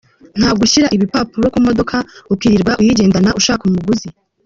Nta gushyira ibipapuro ku modoka ukirirwa uyigendana ushaka umuguzi.